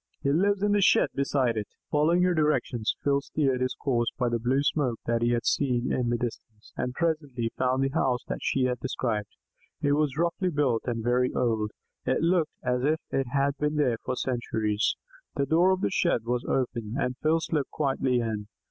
He lives in the shed beside it." Following her directions, Phil steered his course by the blue smoke that he had seen in the distance, and presently found the house that she had described. It was roughly built and very old; it looked as if it had been there for centuries. The door of the shed was open, and Phil slipped quietly in.